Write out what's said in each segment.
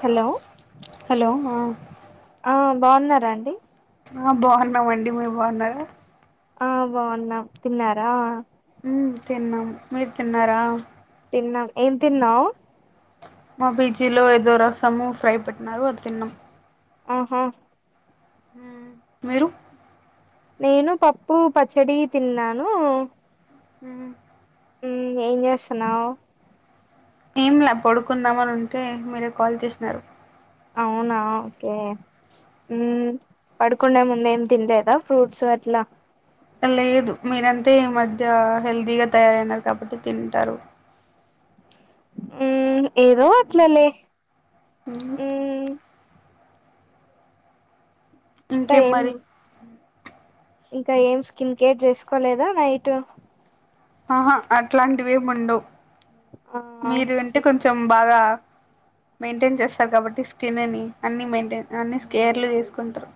Hello hello హా ఆ బాగున్నారా అండి ఆ బాగున్నాంమండి మీరు బాగున్నారు ఆ బాగున్నా తిన్నారా తిన్నాం మీరు తిన్నారా తిన్నాం ఏం తిన్నావు మా పిజీలో ఏదో రసము ఫ్రై పెట్టినారు అది తిన్నాం ఆహా మీరు నేను పప్పు పచ్చడి తిన్నాను ఉమ్ హమ్ ఎం చేస్తున్నావ్ ఏంలా పడుకుందాము అని ఉంటే మీరే కాల్ చేసినారు అవునా ఓకే హ్మ్ పడుకునే ముంద ఏం తినలేదా ఫ్రూట్స్ అట్లా లేదు మీరంతే ఈ మధ్య హెల్దీగా తయారయినారు కాబట్టి తింటారు ఉమ్ ఏదో అట్లా లే మ్మ్ ఉమ్ ఇంకా ఇంకేం ఏం మరి ఇంకా ఏం కింకేర్ చేసుకోలేదా నైట్ ఆహా అట్లాంటివేం ఉండవ్ మీరు అంటే కొంచం కొంచెం బాగా మెయింటైన్ చేస్తారు కాబట్టి స్కిన్ ని అన్ని మెయింటైన్ అన్ని స్కేర్లు చేసుకుంటారు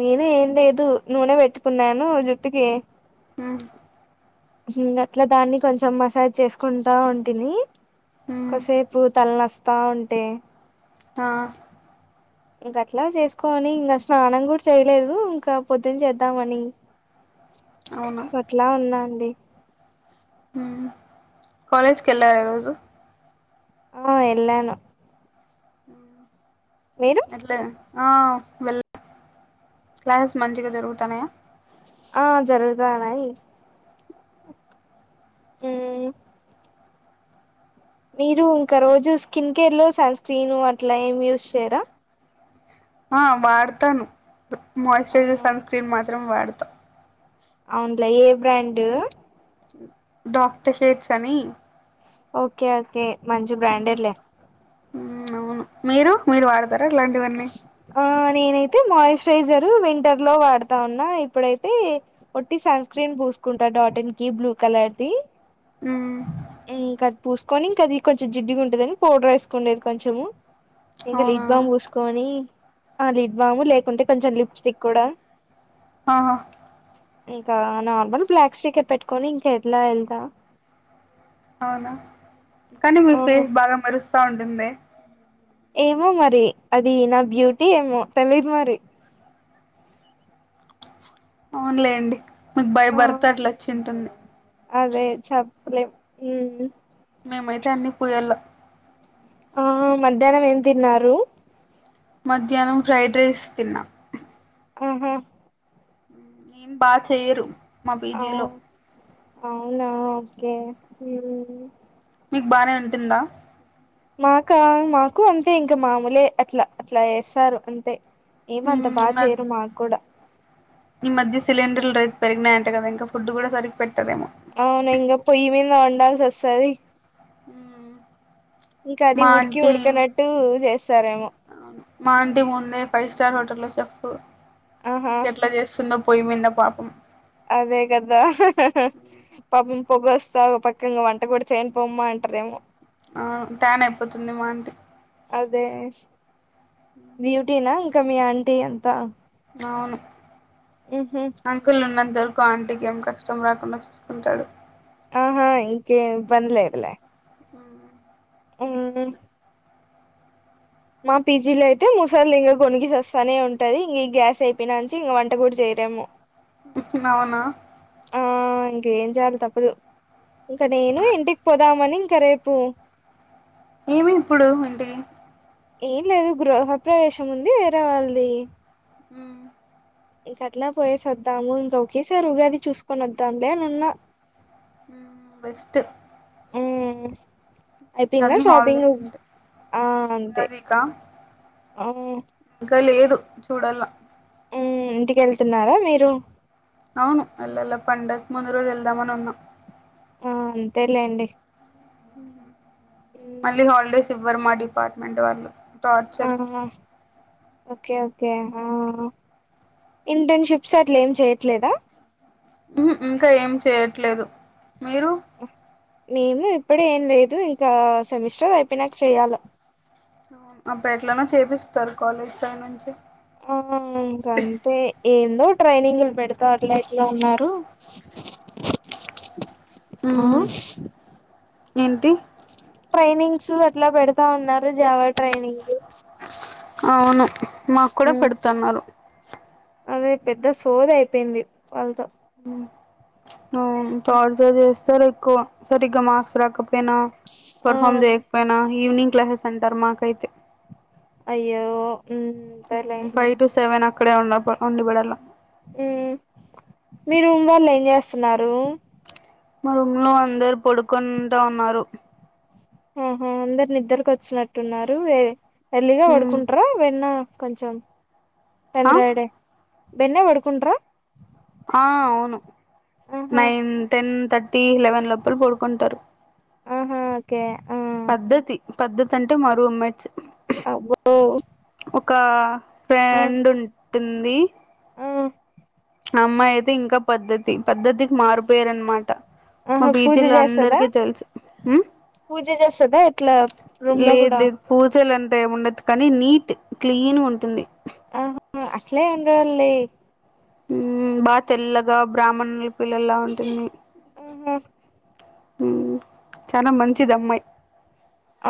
నేనే ఏం లేదు నూనె వెట్టుకున్నాను జుట్టుకి మ్ ఇంగ అట్ల దాన్ని కొంచెం మసాజ్ చేసుకుంటా ఉంటిని మ్మ్ కొసేపు తల్ నస్తా ఉంటే ఆ ఇంక అట్లా చేసుకోవని ఇంకా స్నానం కూడా చేయలేదు ఇంకా పొద్దున చేద్దామని అవును అట్లా ఉన్నా అండి మ్ కాలేజ్కి వెళ్లారా ఏ రోజు ఆ ఎల్లాను అ అట్లె ఆ వెళ్ క్లాసెస్ మంచిగా జరుగుతన్నాయా ఆ జరుగుతాన్నాయి మ్ మీరు ఇంకా రోజు స్కిన్ కేర్ లో సన్ స్క్రీను అట్లా ఏం యూజ్ చేయరా ఆ వాడతాను ఆ మాయి్చరైజర్ సన్స్క్రీన్ మత్ర చిత్రం వాడతాం అవునులే ఏ బ్రాండ్ డాక్టర్ హేర్చాని ఓకే ఓకే మంచి బ్రాండ్ ఎ లె మ్ అవును మీరు మీరు వాడత ర ఇట్లాంటివన్నీ ఆ నేనైతే మాయిశ్చరైజర్ వింటర్ లో వాడతా ఉన్నా ఇప్పుడైతే ఒట్టి సన్ స్క్రీన్ పూసుకుంటా డాటిన్ కి బ్లూ కలర్ కది మ్మ్ మ్ ఇకది పూస్ తీసుకొని ఇంకా అది కొంచెం జిడ్డిగా ఉంటుదని పౌడర్ వేసుకునేది కొంచము ఇంక అవునా లిబ్బామ్ గుస్క అని ఆ లిబ్బాము లేకుంటే కొంచెం లిప్స్టిక్ కూడా ఆ ఇంకా నార్మల్ బ్లాక్ స్టికె పెట్టుకొని ఇంకా ఎట్లా వెళ్తా అవునా కానీ మీ ఆ ఫేస్ బాగా మరుస్తుంది వస్తా ఉంటుంది ఏమో మరి అది నా బ్యూటీ ఏమో తెలియదు మరి అవున్లే అండి మీకు బై ఆ బర్త్ అట్లా వచ్చి ఉంటుంది లే ఊ మేమైతే అన్ని పూయల్ల ఆ మధ్యాహ్నం ఏం తిన్నారు మధ్యాహ్నం ఫ్రైడ్ రైస్ తిన్నా ఆహా ఏం బాగ్ చేయరు మా అవు పిజీలో అవునా ఓకే మీకు బానే ఉంటుందా మాకా మాకు అంతే ఇంకా మామూలే అట్లా అట్లా చేస్తారు అంతే ఏమంత బాగా మ్ చేయరు మాకు కూడా ఈ మధ్య సిలిండర్లు రేట్ పెరిగాయంట కదా ఇంకా ఫుడ్ కూడా పెరిగ్ పెర్ అవును ఇంగ పొయ్యిమింద వం వండాల్సి వస్తది ఊ ఇంకా అది ఉడికి ఉడికినట్టు చేస్తారేమో మా ఆంటీ ముందే ఫైవ్ స్టార్ హోటల్ లో చెఫ్ ఆహా ఎట్ల చేస్తుందో పోయి మీద పాపం అదే కదా పాపం పొగొస్తా ఒక పక్క ఇంగ వంట కూడా చేయనుపోమ్మా అంటారేమో ఆ ట్యాన్ అయిపోతుంది మా ఆంటి అదే బ్యూటీనా మీ ఆంటీ అంత అవును అంకుల్ ఉన్నంత ఉన్నంత వరకు ఆంటికి ఏం కష్టం రాకుండా చూసుకుంటాడు ఆహా ఇంకేం ఇబ్బంది లేదు లే అ ఆ మా పీజీలో అయితే ముసళ్ది ఇంక గొనిగి సస్థానే ఉంటది ఇంక గ్యాస్ అయిపోయినాంచి ఇంక వంట కూడా చేయరెమో అవునా ఆ ఇంకా ఏం చేయాలి తప్పదు ఇంకా నేను ఇంటికి పోదాం అని ఇక రేపు ఏమి ఇప్పుడు ఇంటికి ఏం లేదు గృహప్రవేశం ఉంది వేరే వాళ్ళది మ్ ఇంక అట్లా పోయేసి వద్దాము ఇంక ఒకేసారి ఉగాది చూసుకొని వద్దాం లే అని ఉన్నా బెస్ట్ మ్ అయితే ఇంకా అన్ని షాపింగ్ హాలిడేస్ ఉంటాయి ఆ అంతే ఉగాదికా అవు ఇ లేదు చూడలా ఉ ఇంటిక వెళ్తున్నారా మీరు అవును అల్లా పండకి ముందు రోజు వెల్దామని ఉన్నా ఆ అంతేలేండి [inaudible] మళ్ళ మ్మ్ హాలిడేస్ ఇ వర్మా డిపార్ట్మెంట్ వాళ్ళు టార్చర్ ఆహా ఓకే ఓకే ఇంటర్నెషిప్స్ అట్లా ఏం చేయట్లేదా ఇంకా ఏం చేయట్లేదు మీరు మేము ఇప్పుడ ఏం లేదు ఇంకా సెమిస్టర్ అయిపోయి నాక చేయాల మా బ ఎట్లనా చేపిస్తారు కాలేజ్ సైడ్ నుంచి ఆ ఇంకా అంతే ఏందో ట్రైనింగ్ పలు పెడత అట్లా ఎట్లా ఉన్నారు ఆ ఉమ్ ఏంటి ట్రైనింగ్స్ అట్లా పెడతా ఉన్నారు జావా ట్రైనింగ్ అవును మాకు కూడా పెడుతున్నారు అదే పెద్ద సోది అయిపోయింది వాళ్ళతో అ టార్చర్ చేస్తారు ఎక్కువ సరిగ్గా మార్క్స్ రాకపోయినా ఆ పర్ఫార్మ్ చేయకపోయినా ఈవినింగ్ క్లాసెస్ అంటారు మాకైతే అయ్యో సర్లే ఫైవ్ టటు సెవెన్ ఇక్కడే ఉన్న ఉండి పడాలలా ఉ మీ రూమ్ వాళ్ళు ఏం చేస్తున్నారు మ రమ్లు అందరు పడుకుంటా ఉన్నారు ఆహా అందరు నిద్ద్రకి వచ్చినట్టు అున్నారు ఎల్లిగా ఉమ్ పడుకుంటార వెన్న కొంచెం చం ఆ ద్ర డే బేన్నె వాడు కుంట్రా ఆ అవును నైన్ టెన్ థర్టీ లెవెన్ లోపల పడుకుంటారు ఆహా ఓకే ఆ పద్దతి అంటే మా రూమ్మేట్స్ [unintelligible] క్క ఆ ఫ్రెండ్ ఉం ట్టుంది ఆ అమ్మాయి అయితే ఇంకా పద్ధతి పద్ధతికి మారు పేరు అన్నమాట ఆహా పూజ చేస్తదా ఉమ్ పూజ చేస్తదా ఎట్లా రూమ్ లో కూడా ఉండదు. కానీ నీట్ క్లీన్ ఉంటుంది ఆహా ఆ అట్లే ఉం డాలి హ్ బాగా తెల్లగా బ్రాహ్మణుల పిల్లలా ఉంటుంది. హ్ హ్ హ్ చాలా మంచిది. అమ్మాయి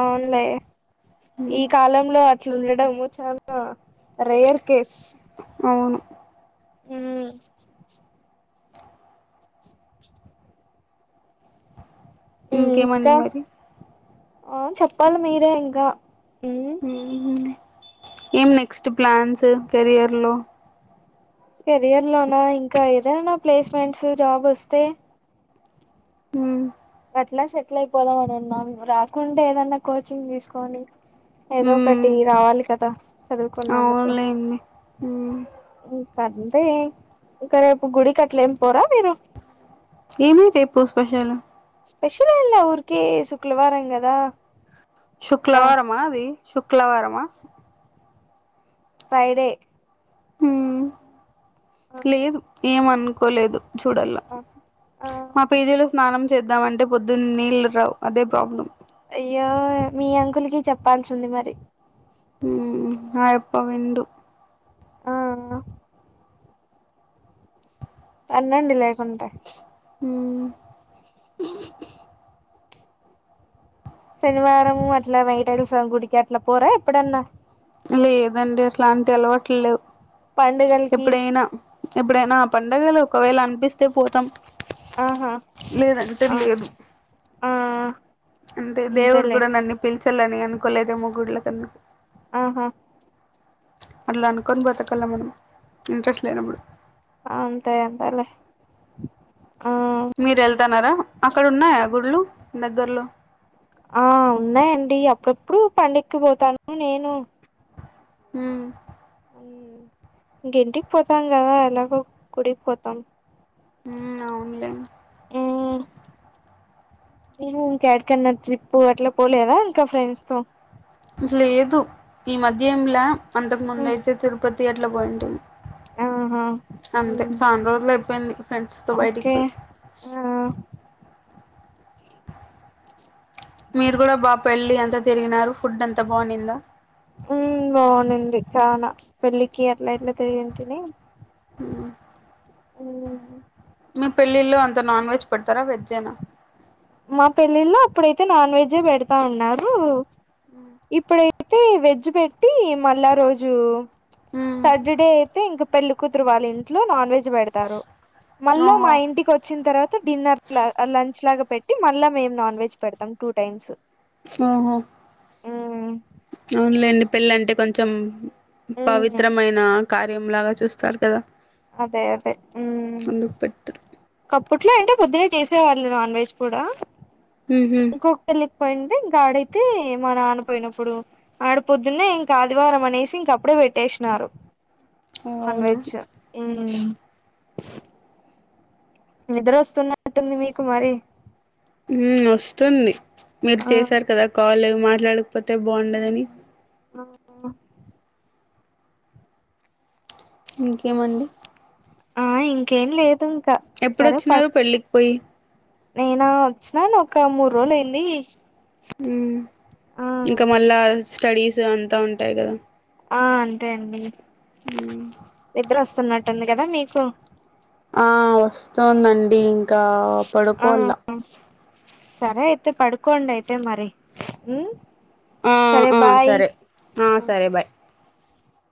అవునులే ఈ కాలంలో అట్లుండడము చాలా రేయర్ కేస్ అవును హ్ ఉమ్ ఇంకేమండి ఇంకా మరి ఆ చెప్పాలి మీరే ఇంకా హ్ ఏం నెక్స్ట్ ప్లాన్స్ కెరియర్ లో కెరియర్ లోనా ఇంకా ఏదైనా ప్లేస్మెంట్స్ జాబ్ వోస్తే హ్ అట్లా సెటిల్ అయిపోదాం. అని ఉన్నాం రాకుంటే ఏదన్నా కోచింగ్ తీసుకొని ఏదో ఒకటి రావాలి కదా చదువుకున్నందుకు అవునులేండి మ్మ్. కాదు ఇంకాయే ఇంకా రేపు గుడికి అట్లా ఏమి పోరా మీరు ఏమీ రేపు స్పెషల్ స్పెషల్ ఎంలే ఊరికే శుక్లవారం గాదా శుక్ల వారమా అది శుక్లవారమా ఫ్రైడే హ్ ఆ లేదు ఏమను కోలేదు చూడలా ఆ మా పేజీలో స్నానం చేద్దాం అంటే పొద్దున్న నీళ్ళ రావు అదే ప్రాబ్లం అయ్యో మీ అంకులకి చెప్పాల్సింది మరి ఆ ఎప్ప వింన్డు ఆ అనండి లేకుంటే మ్మ్ సెనివారము అట్లా వైటల్స్ సామి గుడికి అట్లా పోరా ఎప్పుడన్నా లేదండి అట్లాంటి అలవాట్లు లేవు పండుగలకి ఎప్పుడైనా ఎప్పుడైనా పండగలు ఒకవేళ అనిపిస్తే పోత్ త్తం ఆహా ఆ ఆఆ అంతేలేే చల్లని అనుకోలేదేమో గుళ్లకన్నా ఆహా అట్లా అనుకొని బతకళ్లా మనం ఇంట్రెస్ట్ లేనప్పుడు అంతే అంతేలే ఆ మీరు ఎళ్తన్నారా అక్కడ ఉన్నాయా గుడులు దగ్గర్లో ఆ ఉన్నాయండి అప్పుఅప్పుడు పండక్కి పోతాను నేను మ్మ్ ఇంగింటిక్ పోతాం గదా ఎలాగో గుడికి పోతాం మ్మ్ అవునులే మ్మ్ మీరు ఇంకా యాడికన్నా ట్రిప్పు అట్లా పోలేదా ఇంకా ఫ్రెండ్స్ తో లేదు ఈ మధ్య ఏంలే అంతకు ముందు అయితే తిరుపతి అట్ అట్ల బొయింటిమి ఆహా అంతే చాన్ రోజులు అయిపేంది ఫ్రెండ్స్ తో బయటికి ఓకే పోయి ఆ మీరు గుడ బా పెళ్ళి అంత్ అంత తిరిగినారు ఫుడ్ అంత బావునిందా మ్మ్ బావునింది చానా పెళ్ళికి అట్లా ఇట్లా తిరిగింటిని మ్మ్ మ్మ్ మీ పెళ్ళిళ్ల్లో అంతా నాన్ వెెజ్ పెడ్తారా వెజ్జేనా మా పెళ్ళిళ్లో అప్పుడైతే నాన్ వెజ్జే పెడతా అన్నారు అ అయితే వెజ్ పెట్టి మళ్ళా రోజు మ్మ్ థర్డ్ డే అయితే ఇంకప్ పెళ్లి కూతురు వాళ్ళ ఇంట్లో నాన్ వెజ్ పెడతారు మళ్ళా మా ఓహో ఇంటికి వొచ్చిన తర్వాత డిన్నర్ లాగ లంచ్ లాగ మళ్ళా మేమ్ నాన్ వెజ్ పెడతాం టూ టైమ్స్ ఓహో మ్మ్ అవునులేండి పెళ్ళంటే కొంచెం మ్మ్ పవిత్రమైన కార్యం లాగ చూస్తారు కదా అదే అదే ఊ అందుకు పెట్టరు అప్పట్లో అంటె పొద్దునే చేసే వాళ్ళు నాన్ వెజ్ కూడా ఉ హ్మ్ పోయింటె ఇంకా అడిగితే మా నాన్న పోయినప్పుడు ఆడ పొద్దున్నే ఇంకా ఆదివారం అనేసి ఇంక అప్పుడే పెట్టేసినారు ఓ నాన్ అవునా వెెజ్ ఊ నిద్ర వస్తున్నట్టుంది మీకు మరి వు వస్తుంది మీరు ఆ చేశారు కదా కాల్ మా మాట్లాడకపోతే బావుండదని ఆ ఇంకేమండి ఆ ఇంకేం లేదు ఇంకా ఎప్పుడొచ్చినారు పెళ్ళికి పోయి నినా వచ్చినాను ఒక మూడు రోజులు అయ్యింది హ్మ్ ఇంకా మళ్ళాజ్ స్టడీస్ అంతా ఉంటాయి కదా ఆ అంతే అండి మ్మ్ నిద్దర వస్త వస్తున్నట్టుంది కదా మీకు ఆ వస్ వస్తుందండి ఇంకా ఆ పడుకోల్ల సరే అయితే పడుకోండి అయితే మరి ఆ సరే ఆ బాయ్ సరే ఆ సరే బాయ్